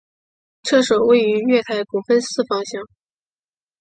厕所位于月台国分寺方向。